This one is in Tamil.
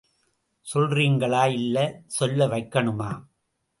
சொல்றிங்களா.. இல்ல, சொல்ல வைக்கணுமா?